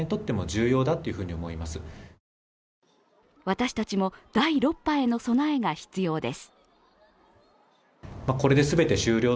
私たちも第６波への備えが必要です。